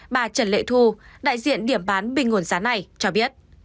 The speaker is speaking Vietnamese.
bà trần lệ thu đại diện điểm bán bình nguồn giá này cho biết